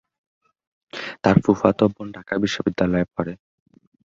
তার ফুফাতো বোন ঢাকা বিশ্ববিদ্যালয়ে পড়ে।